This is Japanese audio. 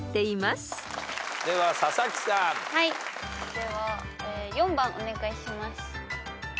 では４番お願いします。